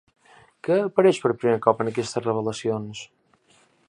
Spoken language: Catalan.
Què apareix per primer cop en aquestes revelacions?